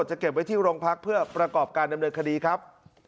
จะเก็บไว้ที่โรงพักเพื่อประกอบการดำเนินคดีครับ